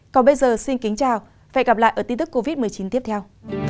còn bây giờ xin kính chào và hẹn gặp lại ở tin tức covid một mươi chín tiếp theo